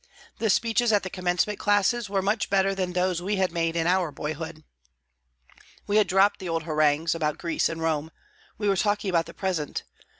The speeches at the commencement classes were much better than those we had made in our boyhood. We had dropped the old harangues about Greece and Rome. We were talking about the present.